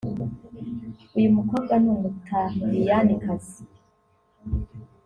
uyu mukobwa ni umutaliyanikazi